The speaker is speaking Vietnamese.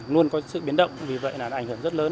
luôn có sự biến động vì vậy là ảnh hưởng rất lớn